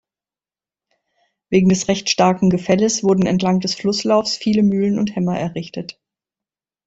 Wegen des recht starken Gefälles wurden entlang des Flusslaufs viele Mühlen und Hämmer errichtet.